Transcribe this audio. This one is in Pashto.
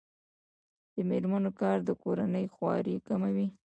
د میرمنو کار د کورنۍ خوارۍ کموي.